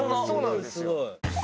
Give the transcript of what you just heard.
そうなんですよ。